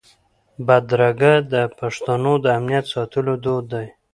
بدرګه د پښتنو د امنیت ساتلو دود دی.